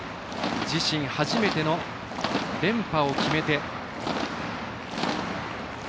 自身初めての連覇を決めて。